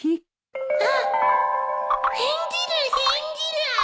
あっ返事だ返事だ